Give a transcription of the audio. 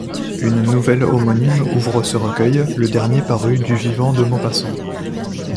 Une nouvelle homonyme ouvre ce recueil, le dernier paru du vivant de Maupassant.